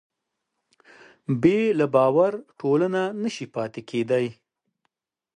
بې له باور ټولنه نهشي پاتې کېدی.